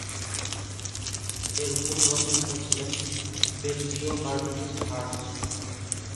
এর মূল রচয়িতা ছিলেন বেলজীয় কার্টুনিস্ট হার্জ।